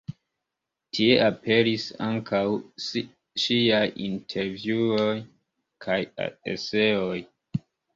Tie aperis ankaŭ ŝiaj intervjuoj kaj eseoj.